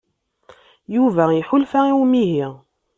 Yuba iḥulfa i umihi.